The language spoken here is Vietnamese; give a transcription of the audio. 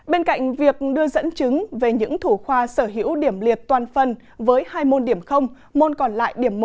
bên cạnh việc đưa dẫn chứng về những thủ khoa sở hữu điểm liệt toàn phần với hai môn điểm môn còn lại điểm một